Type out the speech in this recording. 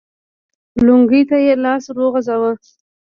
لونګۍ ته يې لاس ور وغځاوه.